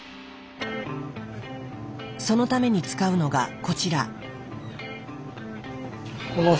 そのために使うのがこちら。